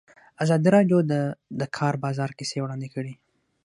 ازادي راډیو د د کار بازار کیسې وړاندې کړي.